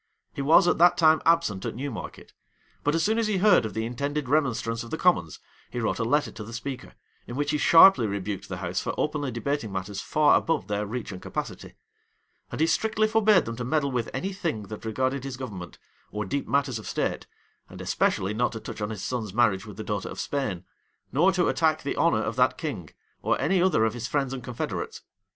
He was at that time absent at Newmarket; but as soon as he heard of the intended remonstrance of the commons, he wrote a letter to the speaker, in which he sharply rebuked the house for openly debating matters far above their reach and capacity; and he strictly forbade them to meddle with any thing that regarded his government, or deep matters of state, and especially not to touch on his son's marriage with the daughter of Spain, nor to attack the honor of that king, or any other of his friends and confederates.